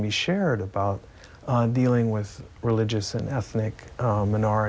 เพราะร่วมทุกอย่างเราคิดว่าไทยเป็นภาคที่อำนวย